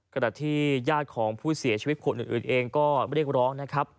ขณะที่ญาติของผู้เสียชีวิตคนอื่นเองก็เรียกร้องนะครับ